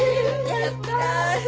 やったあ。